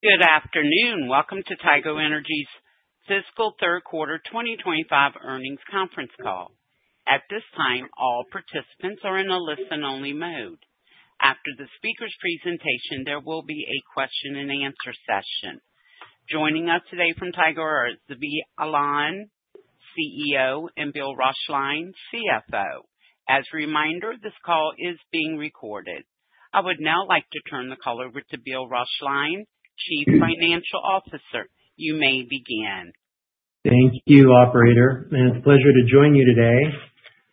Good afternoon. Welcome to Tigo Energy's fiscal third quarter 2025 earnings conference call. At this time, all participants are in a listen-only mode. After the speaker's presentation, there will be a question-and-answer session. Joining us today from Tigo are Zvi Alon, CEO, and Bill Roeschlein, CFO. As a reminder, this call is being recorded. I would now like to turn the call over to Bill Roeschlein, Chief Financial Officer. You may begin. Thank you, operator. It's a pleasure to join you today.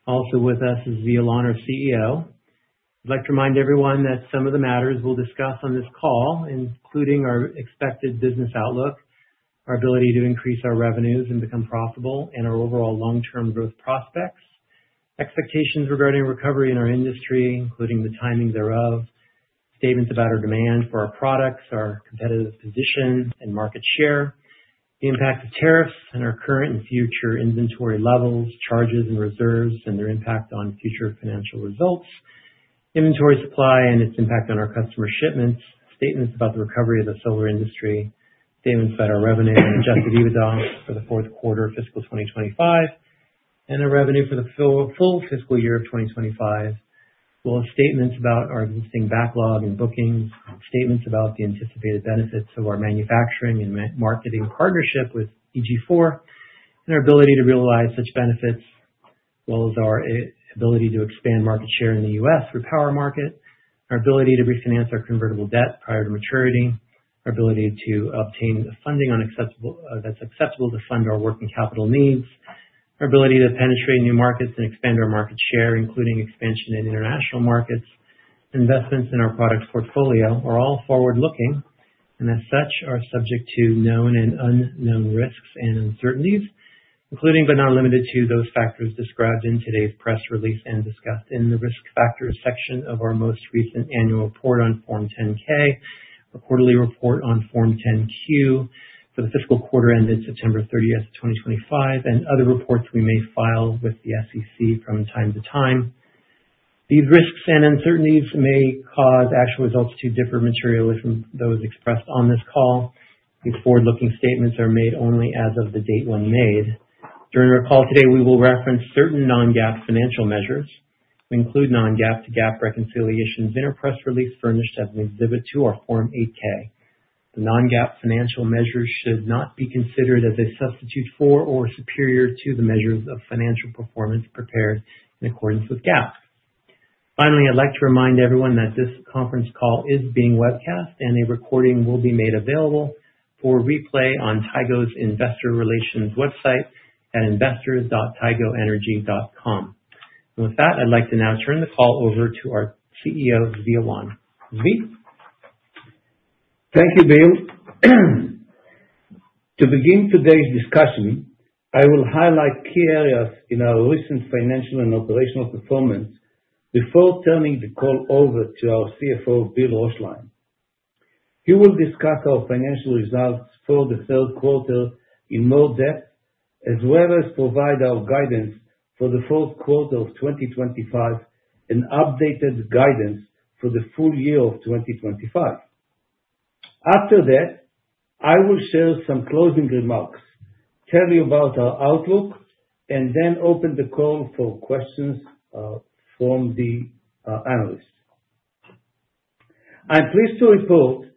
Also with us is Zvi Alon, our CEO. I'd like to remind everyone that some of the matters we'll discuss on this call, including our expected business outlook, our ability to increase our revenues and become profitable, and our overall long-term growth prospects, expectations regarding recovery in our industry, including the timing thereof, statements about our demand for our products, our competitive position and market share, the impact of tariffs on our current and future inventory levels, charges and reserves, and their impact on future financial results, inventory supply and its impact on our customer shipments, statements about the recovery of the solar industry, statements about our revenue, and Adjusted EBITDA for the fourth quarter of fiscal 2025, and our revenue for the full fiscal year of 2025, as well as statements about our existing backlog and bookings, statements about the anticipated benefits of our manufacturing and marketing partnership with EG4, and our ability to realize such benefits, as well as our ability to expand market share in the U.S. repower market, our ability to refinance our convertible debt prior to maturity, our ability to obtain funding that's acceptable to fund our working capital needs, our ability to penetrate new markets and expand our market share, including expansion in international markets, investments in our product portfolio, are all forward-looking and, as such, are subject to known and unknown risks and uncertainties, including but not limited to those factors described in today's press release and discussed in the risk factors section of our most recent annual report on Form 10-K, a quarterly report on Form 10-Q for the fiscal quarter ended September 30th, 2025, and other reports we may file with the SEC from time to time. These risks and uncertainties may cause actual results to differ materially from those expressed on this call. These forward-looking statements are made only as of the date when made. During our call today, we will reference certain non-GAAP financial measures. We include non-GAAP to GAAP reconciliations in our press release furnished as an exhibit to our Form 8-K. The non-GAAP financial measures should not be considered as a substitute for or superior to the measures of financial performance prepared in accordance with GAAP. Finally, I'd like to remind everyone that this conference call is being webcast, and a recording will be made available for replay on Tigo's investor relations website at investor.tigoenergy.com. And with that, I'd like to now turn the call over to our CEO, Zvi Alon. Zvi? Thank you, Bill. To begin today's discussion, I will highlight key areas in our recent financial and operational performance before turning the call over to our CFO, Bill Roeschlein. He will discuss our financial results for the third quarter in more depth, as well as provide our guidance for the fourth quarter of 2025 and updated guidance for the full year of 2025. After that, I will share some closing remarks, tell you about our outlook, and then open the call for questions from the analysts. I'm pleased to report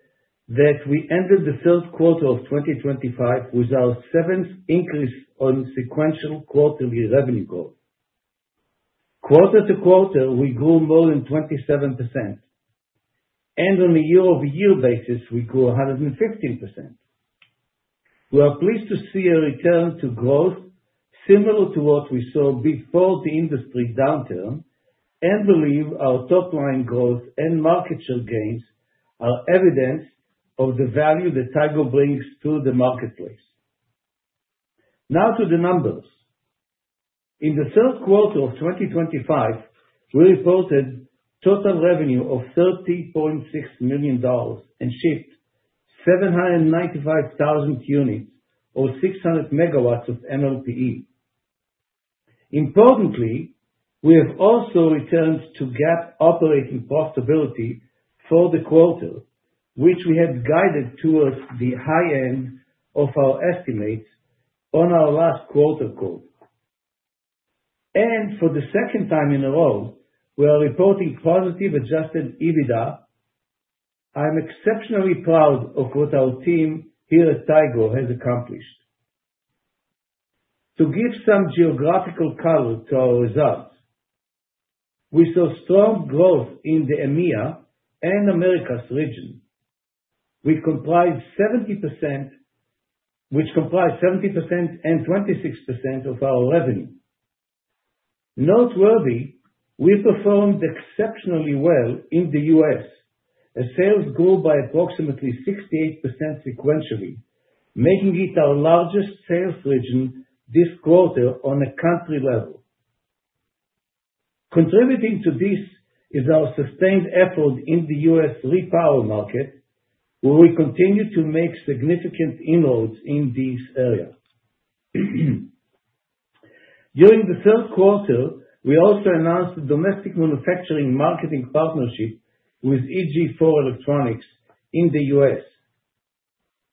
that we entered the third quarter of 2025 with our seventh increase on sequential quarterly revenue growth. Quarter to quarter, we grew more than 27%. And on a year-over-year basis, we grew 115%. We are pleased to see a return to growth similar to what we saw before the industry downturn and believe our top-line growth and market share gains are evidence of the value that Tigo brings to the marketplace. Now to the numbers. In the third quarter of 2025, we reported total revenue of $30.6 million and shipped 795,000 units or 600 megawatts of MLPE. Importantly, we have also returned to GAAP operating profitability for the quarter, which we had guided towards the high end of our estimates on our last quarter call, and for the second time in a row, we are reporting positive Adjusted EBITDA. I'm exceptionally proud of what our team here at Tigo has accomplished. To give some geographical color to our results, we saw strong growth in the EMEA and Americas region, which comprise 70% and 26% of our revenue. Noteworthy, we performed exceptionally well in the U.S. As sales grew by approximately 68% sequentially, making it our largest sales region this quarter on a country level. Contributing to this is our sustained effort in the U.S. repower market, where we continue to make significant inroads in these areas. During the third quarter, we also announced a domestic manufacturing marketing partnership with EG4 Electronics in the U.S.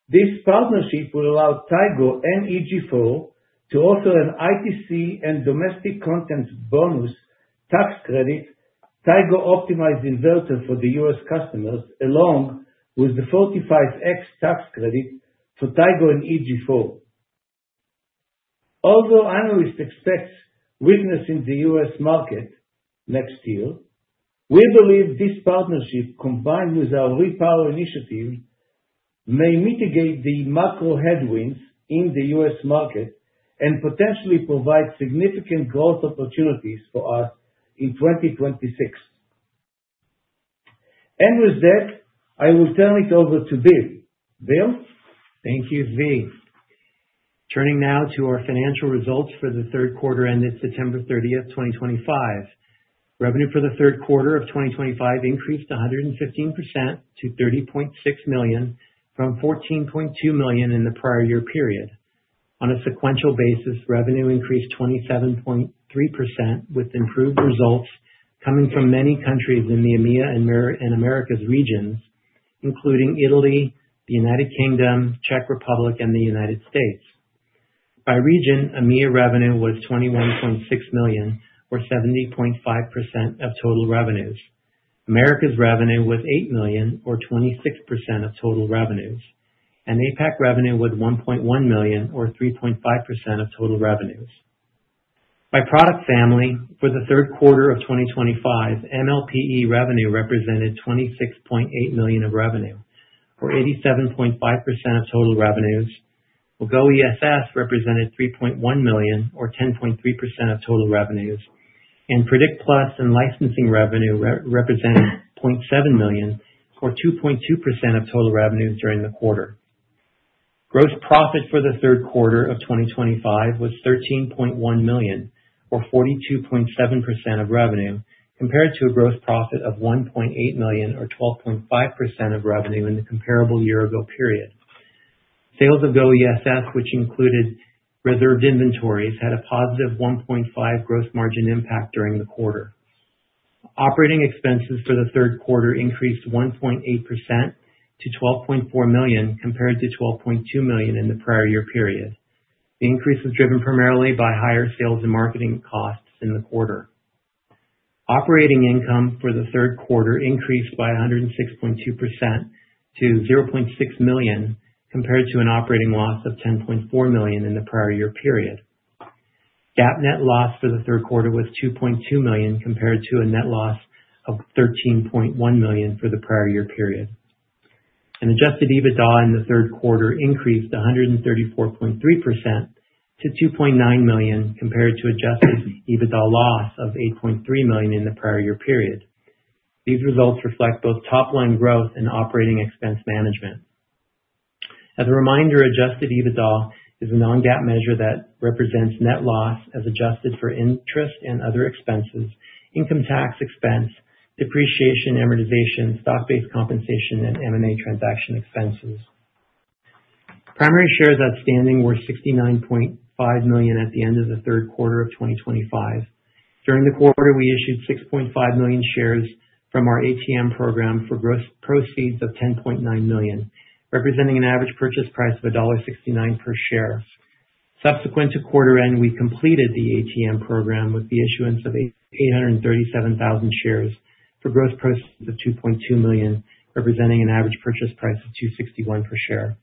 This partnership will allow Tigo and EG4 to offer an ITC and Domestic Content Bonus tax credit, Tigo Optimized Inverter for the U.S. customers, along with the 45X tax credit for Tigo and EG4. Although analysts expect weakness in the U.S. market next year, we believe this partnership, combined with our repower initiative, may mitigate the macro headwinds in the U.S. market and potentially provide significant growth opportunities for us in 2026. And with that, I will turn it over to Bill. Bill? Thank you, Zvi. Turning now to our financial results for the third quarter ended September 30th, 2025. Revenue for the third quarter of 2025 increased 115% to $30.6 million from $14.2 million in the prior year period. On a sequential basis, revenue increased 27.3% with improved results coming from many countries in the EMEA and Americas regions, including Italy, the United Kingdom, Czech Republic, and the United States. By region, EMEA revenue was $21.6 million, or 70.5% of total revenues. Americas revenue was $8 million, or 26% of total revenues, and APAC revenue was $1.1 million, or 3.5% of total revenues. By product family, for the third quarter of 2025, MLPE revenue represented $26.8 million of revenue, or 87.5% of total revenues. GO ESS represented $3.1 million, or 10.3% of total revenues, and Predict+ and licensing revenue represented $0.7 million, or 2.2% of total revenue during the quarter. Gross profit for the third quarter of 2025 was $13.1 million, or 42.7% of revenue, compared to a gross profit of $1.8 million, or 12.5% of revenue in the comparable year-ago period. Sales of GO/ESS, which included reserved inventories, had a positive 1.5% gross margin impact during the quarter. Operating expenses for the third quarter increased 1.8% to $12.4 million, compared to $12.2 million in the prior year period. The increase was driven primarily by higher sales and marketing costs in the quarter. Operating income for the third quarter increased by 106.2% to $0.6 million, compared to an operating loss of $10.4 million in the prior year period. GAAP net loss for the third quarter was $2.2 million, compared to a net loss of $13.1 million for the prior year period. Adjusted EBITDA in the third quarter increased 134.3% to $2.9 million, compared to adjusted EBITDA loss of $8.3 million in the prior year period. These results reflect both top-line growth and operating expense management. As a reminder, adjusted EBITDA is a non-GAAP measure that represents net loss as adjusted for interest and other expenses, income tax expense, depreciation amortization, stock-based compensation, and M&A transaction expenses. Primary shares outstanding were 69.5 million at the end of the third quarter of 2025. During the quarter, we issued 6.5 million shares from our ATM program for gross proceeds of $10.9 million, representing an average purchase price of $1.69 per share. Subsequent to quarter end, we completed the ATM program with the issuance of 837,000 shares for gross proceeds of $2.2 million, representing an average purchase price of $2.61 per share.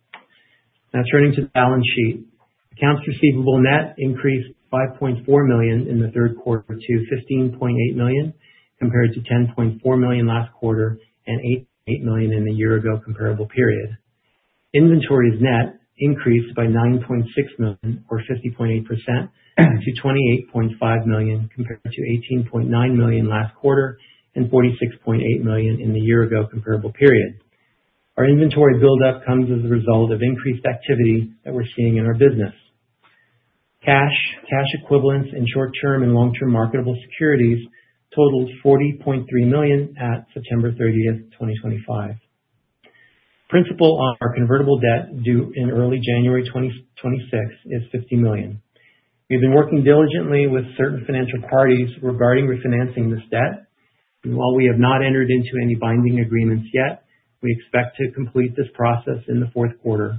Now turning to the balance sheet, accounts receivable net increased $5.4 million in the third quarter to $15.8 million, compared to $10.4 million last quarter and $8.8 million in the year-ago comparable period. Inventories net increased by $9.6 million, or 50.8%, to $28.5 million, compared to $18.9 million last quarter and $46.8 million in the year-ago comparable period. Our inventory build-up comes as a result of increased activity that we're seeing in our business. Cash, cash equivalents, and short-term and long-term marketable securities totaled $40.3 million at September 30th, 2025. Principal on our convertible debt due in early January 2026 is $50 million. We've been working diligently with certain financial parties regarding refinancing this debt. While we have not entered into any binding agreements yet, we expect to complete this process in the fourth quarter.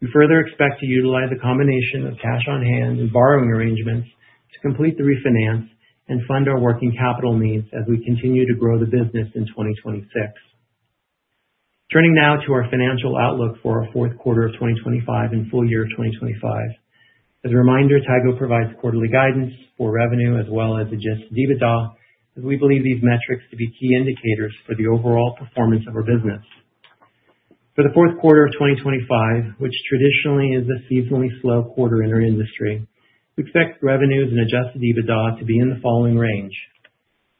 We further expect to utilize a combination of cash on hand and borrowing arrangements to complete the refinance and fund our working capital needs as we continue to grow the business in 2026. Turning now to our financial outlook for our fourth quarter of 2025 and full year of 2025. As a reminder, Tigo provides quarterly guidance for revenue, as well as Adjusted EBITDA, as we believe these metrics to be key indicators for the overall performance of our business. For the fourth quarter of 2025, which traditionally is a seasonally slow quarter in our industry, we expect revenues and Adjusted EBITDA to be in the following range.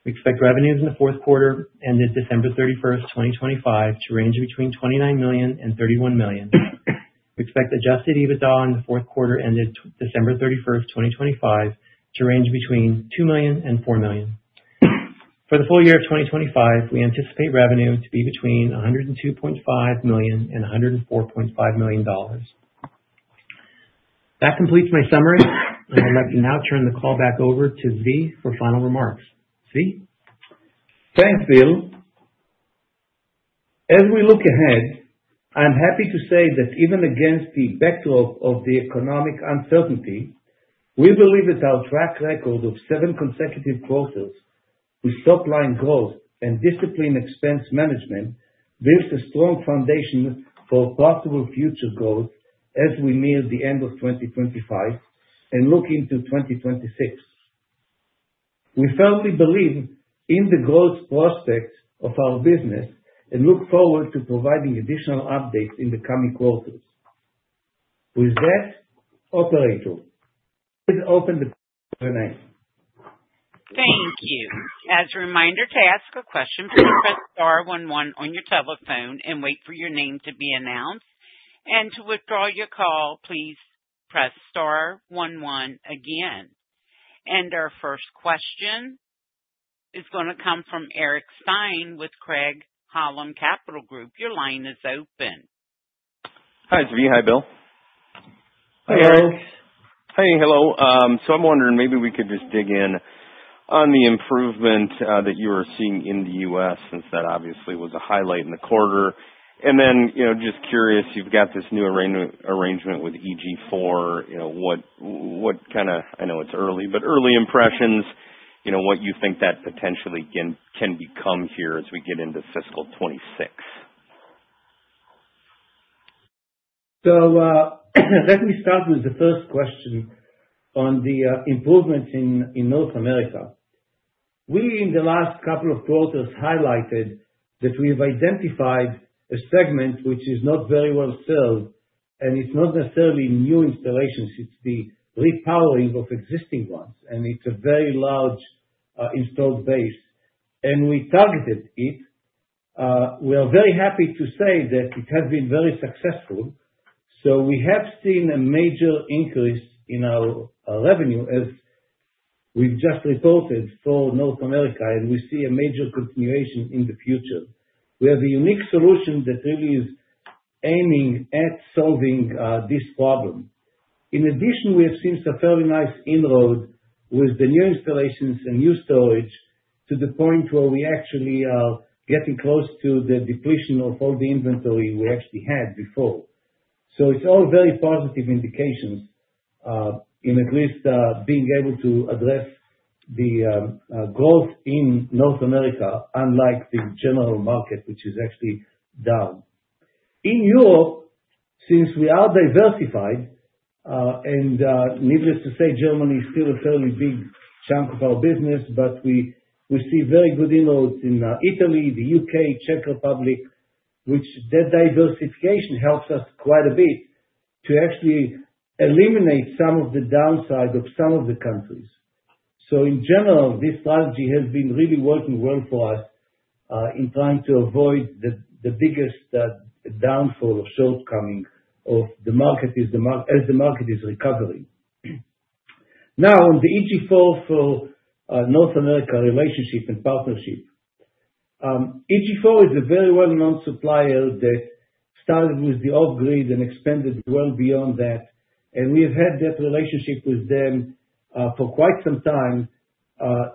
We expect revenues in the fourth quarter ended December 31st, 2025, to range between $29 million and $31 million. We expect Adjusted EBITDA in the fourth quarter ended December 31st, 2025, to range between $2 million and $4 million. For the full year of 2025, we anticipate revenue to be between $102.5 million and $104.5 million. That completes my summary. I would like to now turn the call back over to Zvi for final remarks. Zvi? Thanks, Bill. As we look ahead, I'm happy to say that even against the backdrop of the economic uncertainty, we believe that our track record of seven consecutive quarters with top-line growth and disciplined expense management builds a strong foundation for possible future growth as we near the end of 2025 and look into 2026. We firmly believe in the growth prospects of our business and look forward to providing additional updates in the coming quarters. With that, operator, please open the call for the next. Thank you. As a reminder to ask a question, please press star 11 on your telephone and wait for your name to be announced. And to withdraw your call, please press star 11 again. And our first question is going to come from Eric Stine with Craig-Hallum Capital Group. Your line is open. Hi, Zvi. Hi, Bill. Hi, Eric. Hi. Hey, hello. So I'm wondering, maybe we could just dig in on the improvement that you were seeing in the U.S. since that obviously was a highlight in the quarter. And then just curious, you've got this new arrangement with EG4. What kind of, I know it's early, but early impressions, what you think that potentially can become here as we get into fiscal 2026? So let me start with the first question on the improvements in North America. We, in the last couple of quarters, highlighted that we have identified a segment which is not very well sold. And it's not necessarily new installations. It's the repowering of existing ones. And it's a very large installed base. And we targeted it. We are very happy to say that it has been very successful. So we have seen a major increase in our revenue, as we've just reported, for North America. And we see a major continuation in the future. We have a unique solution that really is aiming at solving this problem. In addition, we have seen some fairly nice inroad with the new installations and new storage to the point where we actually are getting close to the depletion of all the inventory we actually had before. So it's all very positive indications in at least being able to address the growth in North America, unlike the general market, which is actually down. In Europe, since we are diversified, and needless to say, Germany is still a fairly big chunk of our business, but we see very good inroads in Italy, the U.K., Czech Republic, which diversification helps us quite a bit to actually eliminate some of the downside of some of the countries. So in general, this strategy has been really working well for us in trying to avoid the biggest downfall or shortcoming of the market as the market is recovering. Now, on the EG4 for North America relationship and partnership, EG4 is a very well-known supplier that started with the off-grid and expanded well beyond that. And we have had that relationship with them for quite some time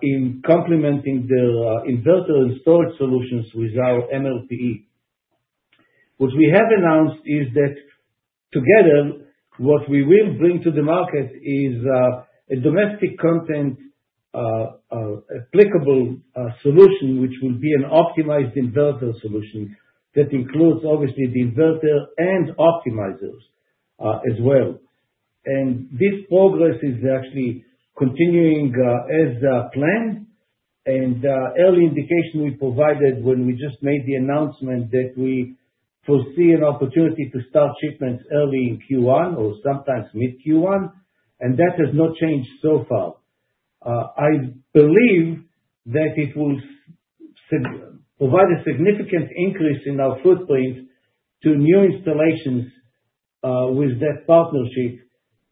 in complementing their inverter installed solutions with our MLPE. What we have announced is that together, what we will bring to the market is a domestic content applicable solution, which will be an optimized inverter solution that includes, obviously, the inverter and optimizers as well. And this progress is actually continuing as planned. And early indication we provided when we just made the announcement that we foresee an opportunity to start shipments early in Q1 or sometime mid-Q1. And that has not changed so far. I believe that it will provide a significant increase in our footprint to new installations with that partnership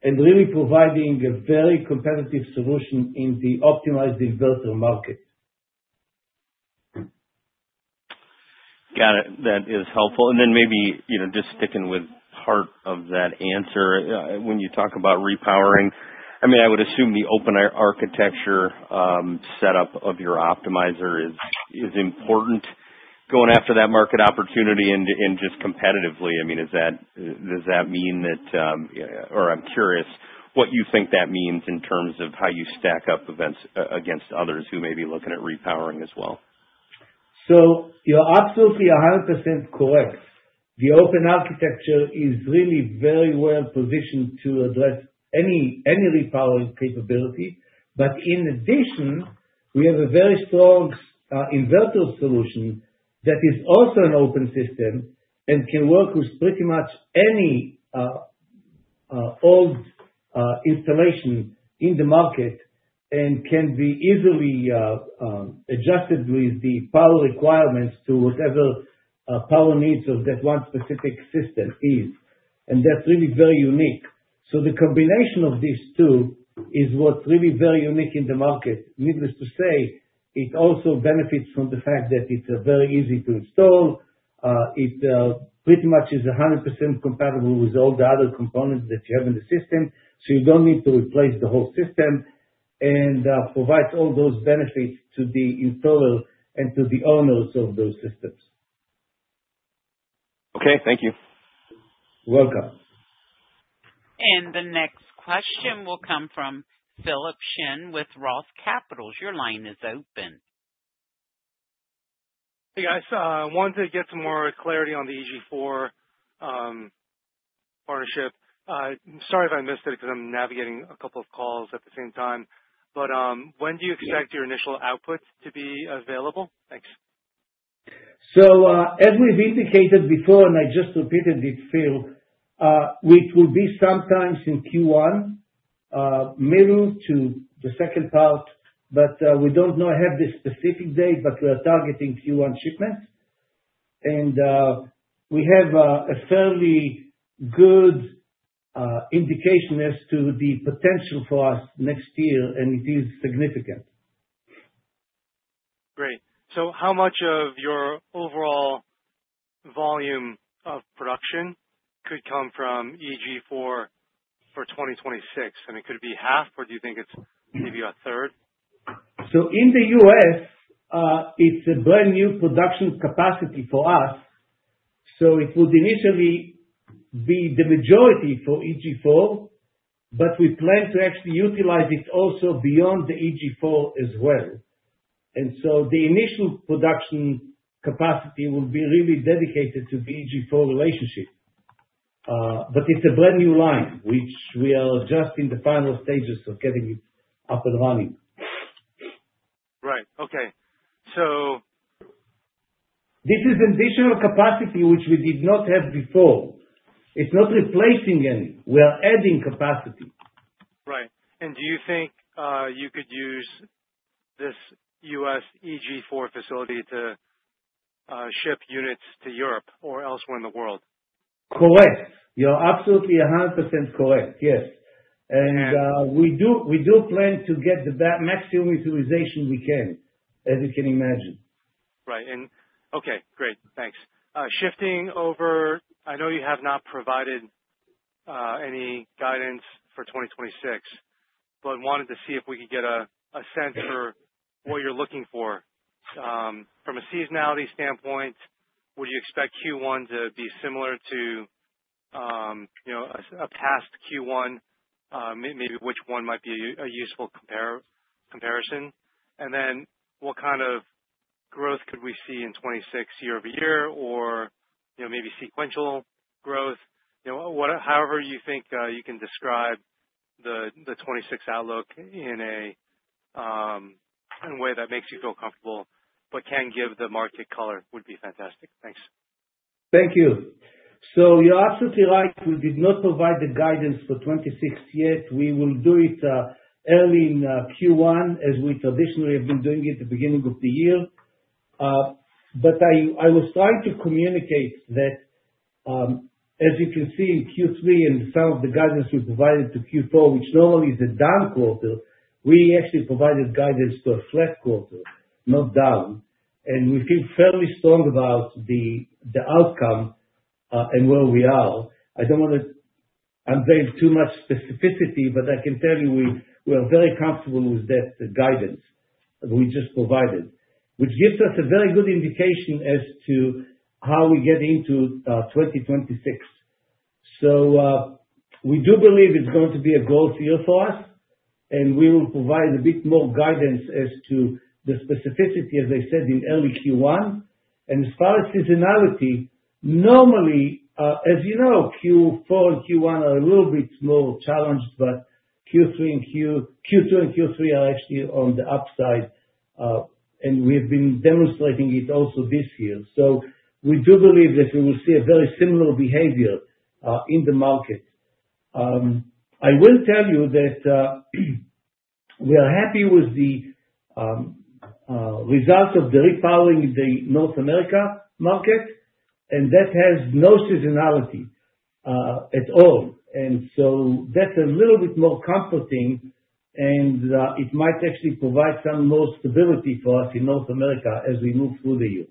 and really providing a very competitive solution in the optimized inverter market. Got it. That is helpful. And then maybe just sticking with part of that answer, when you talk about repowering, I mean, I would assume the open architecture setup of your optimizer is important. Going after that market opportunity and just competitively, I mean, does that mean that, or I'm curious what you think that means in terms of how you stack up against others who may be looking at repowering as well? So you're absolutely 100% correct. The open architecture is really very well positioned to address any repowering capability. But in addition, we have a very strong inverter solution that is also an open system and can work with pretty much any old installation in the market and can be easily adjusted with the power requirements to whatever power needs of that one specific system is. And that's really very unique. So the combination of these two is what's really very unique in the market. Needless to say, it also benefits from the fact that it's very easy to install. It pretty much is 100% compatible with all the other components that you have in the system. So you don't need to replace the whole system and provides all those benefits to the installer and to the owners of those systems. Okay. Thank you. You're welcome. The next question will come from Philip Shen with Roth Capital. Your line is open. Hey, guys. I wanted to get some more clarity on the EG4 partnership. Sorry if I missed it because I'm navigating a couple of calls at the same time. But when do you expect your initial outputs to be available? Thanks. So, as we've indicated before, and I just repeated it, Phil, which will be sometime in Q1, middle to the second part. But we don't know a specific date, but we are targeting Q1 shipment. And we have a fairly good indication as to the potential for us next year. And it is significant. Great. So how much of your overall volume of production could come from EG4 for 2026? I mean, could it be half, or do you think it's maybe a third? So in the U.S., it's a brand new production capacity for us. So it would initially be the majority for EG4, but we plan to actually utilize it also beyond the EG4 as well. And so the initial production capacity will be really dedicated to the EG4 relationship. But it's a brand new line, which we are just in the final stages of getting it up and running. Right. Okay. So. This is an additional capacity which we did not have before. It's not replacing any. We are adding capacity. Right. And do you think you could use this U.S. EG4 facility to ship units to Europe or elsewhere in the world? Correct. You're absolutely 100% correct. Yes, and we do plan to get the maximum utilization we can, as you can imagine. Right and okay. Great. Thanks. Shifting over, I know you have not provided any guidance for 2026, but wanted to see if we could get a sense for what you're looking for. From a seasonality standpoint, would you expect Q1 to be similar to a past Q1? Maybe which one might be a useful comparison? And then what kind of growth could we see in 2026 year over year or maybe sequential growth? However you think you can describe the 2026 outlook in a way that makes you feel comfortable but can give the market color, would be fantastic. Thanks. Thank you. So you're absolutely right. We did not provide the guidance for 2026 yet. We will do it early in Q1, as we traditionally have been doing it at the beginning of the year. But I was trying to communicate that, as you can see in Q3 and some of the guidance we provided to Q4, which normally is a down quarter, we actually provided guidance to a flat quarter, not down. And we feel fairly strong about the outcome and where we are. I don't want to unveil too much specificity, but I can tell you we are very comfortable with that guidance we just provided, which gives us a very good indication as to how we get into 2026. So we do believe it's going to be a growth year for us. And we will provide a bit more guidance as to the specificity, as I said, in early Q1. And as far as seasonality, normally, as you know, Q4 and Q1 are a little bit more challenged, but Q2 and Q3 are actually on the upside. And we have been demonstrating it also this year. So we do believe that we will see a very similar behavior in the market. I will tell you that we are happy with the result of the repowering in the North America market. And that has no seasonality at all. And so that's a little bit more comforting. And it might actually provide some more stability for us in North America as we move through the year.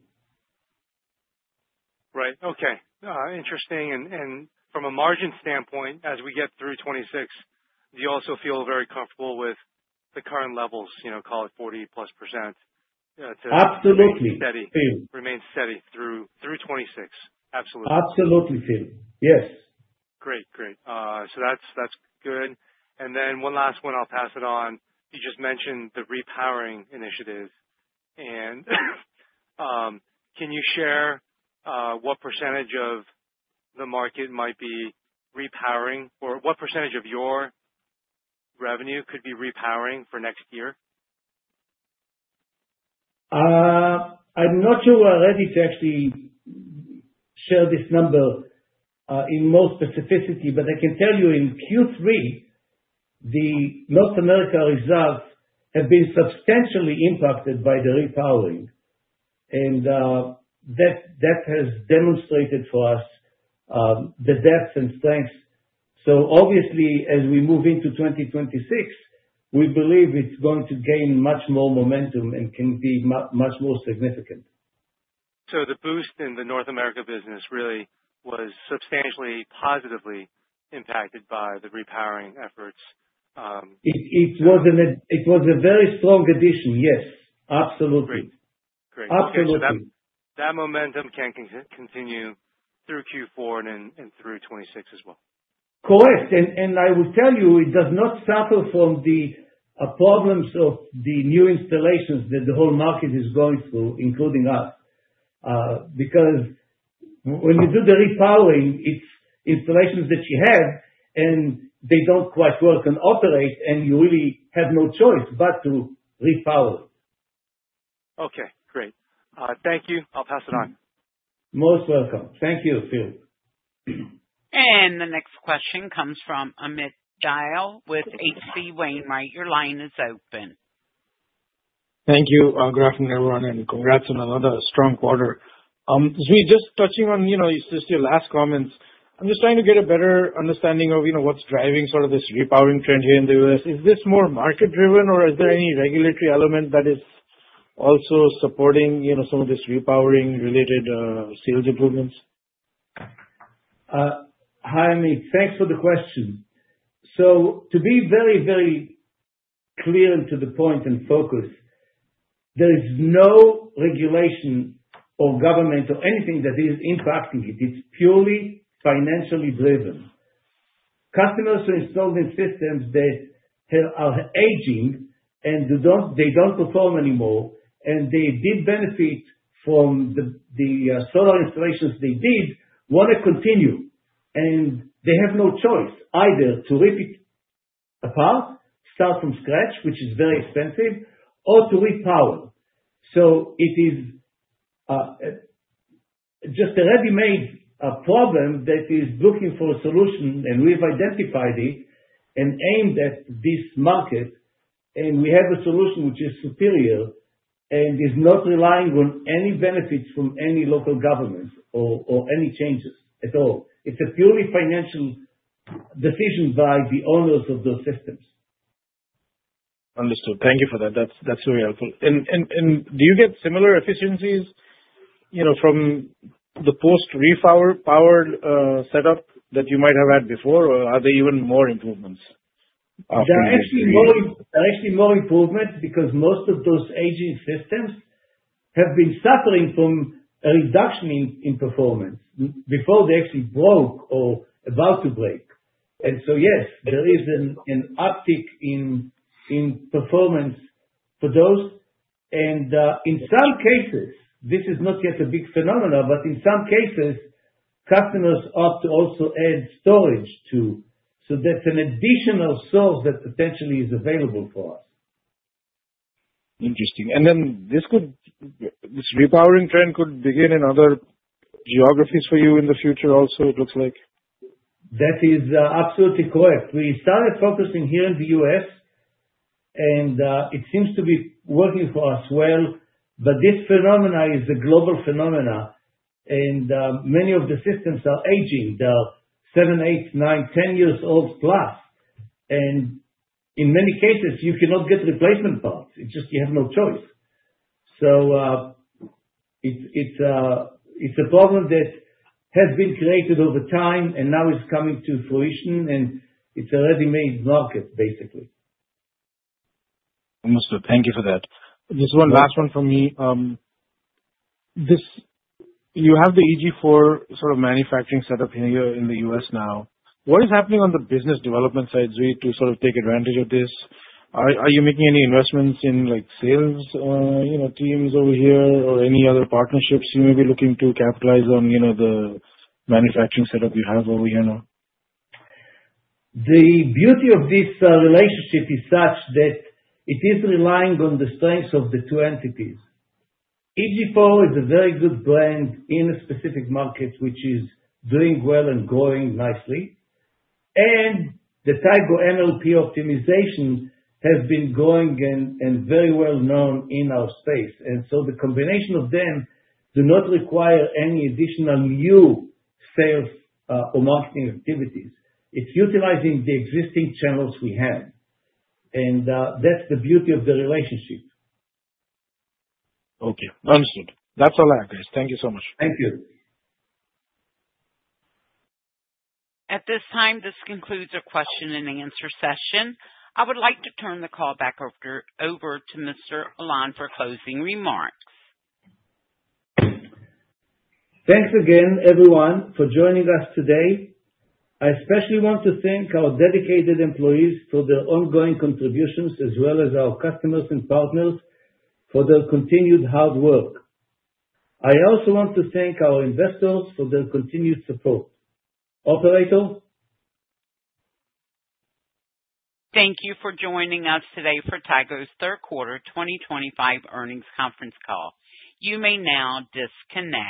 Right. Okay. Interesting. And from a margin standpoint, as we get through 2026, do you also feel very comfortable with the current levels, call it 40-plus%? Absolutely, Phil. Remains steady through 2026. Absolutely. Absolutely, Phil. Yes. Great. Great. So that's good. And then one last one, I'll pass it on. You just mentioned the repowering initiative. And can you share what percentage of the market might be repowering or what percentage of your revenue could be repowering for next year? I'm not sure we're ready to actually share this number in more specificity, but I can tell you in Q3, the North America results have been substantially impacted by the repowering, and that has demonstrated for us the depth and strength, so obviously, as we move into 2026, we believe it's going to gain much more momentum and can be much more significant. The boost in the North America business really was substantially positively impacted by the repowering efforts. It was a very strong addition. Yes. Absolutely. Great. Great. That momentum can continue through Q4 and through 2026 as well. Correct, and I will tell you, it does not suffer from the problems of the new installations that the whole market is going through, including us. Because when you do the repowering, it's installations that you have, and they don't quite work and operate, and you really have no choice but to repower it. Okay. Great. Thank you. I'll pass it on. Most welcome. Thank you, Phil. And the next question comes from Amit Dayal with H.C. Wainwright. Your line is open. Thank you. Good afternoon, everyone. And congrats on another strong quarter. Zvi, just touching on just your last comments, I'm just trying to get a better understanding of what's driving sort of this repowering trend here in the U.S. Is this more market-driven, or is there any regulatory element that is also supporting some of this repowering-related sales improvements? Hi, Amit. Thanks for the question. So to be very, very clear and to the point and focus, there is no regulation or government or anything that is impacting it. It's purely financially driven. Customers who installed these systems, they are aging, and they don't perform anymore. And they did benefit from the solar installations they did, want to continue. And they have no choice either to rip it apart, start from scratch, which is very expensive, or to repower. So it is just a ready-made problem that is looking for a solution. And we've identified it and aimed at this market. And we have a solution which is superior and is not relying on any benefits from any local government or any changes at all. It's a purely financial decision by the owners of those systems. Understood. Thank you for that. That's very helpful, and do you get similar efficiencies from the post-repowered setup that you might have had before, or are there even more improvements? There are actually more improvements because most of those aging systems have been suffering from a reduction in performance before they actually broke or about to break. And so, yes, there is an uptick in performance for those. And in some cases, this is not yet a big phenomenon, but in some cases, customers opt to also add storage too. So that's an additional source that potentially is available for us. Interesting. And then this repowering trend could begin in other geographies for you in the future also, it looks like. That is absolutely correct. We started focusing here in the U.S., and it seems to be working for us well. But this phenomena is a global phenomena. And many of the systems are aging. They're seven, eight, nine, 10 years old plus. And in many cases, you cannot get replacement parts. It's just you have no choice. So it's a problem that has been created over time and now is coming to fruition. And it's a ready-made market, basically. Understood. Thank you for that. Just one last one from me. You have the EG4 sort of manufacturing setup here in the U.S. now. What is happening on the business development side, Zvi, to sort of take advantage of this? Are you making any investments in sales teams over here or any other partnerships you may be looking to capitalize on the manufacturing setup you have over here now? The beauty of this relationship is such that it is relying on the strengths of the two entities. EG4 is a very good brand in a specific market, which is doing well and growing nicely, and the Tigo MLPE optimization has been growing and very well known in our space, and so the combination of them does not require any additional new sales or marketing activities. It's utilizing the existing channels we have, and that's the beauty of the relationship. Okay. Understood. That's all I have, guys. Thank you so much. Thank you. At this time, this concludes our question and answer session. I would like to turn the call back over to Mr. Alon for closing remarks. Thanks again, everyone, for joining us today. I especially want to thank our dedicated employees for their ongoing contributions, as well as our customers and partners for their continued hard work. I also want to thank our investors for their continued support. Operator. Thank you for joining us today for Tigo's third quarter 2025 earnings conference call. You may now disconnect.